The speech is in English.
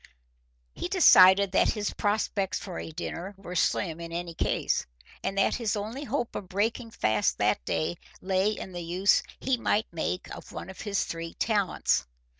He decided that his prospects for a dinner were slim in any case, and that his only hope of breaking fast that day lay in the use he might make of one of his three talents.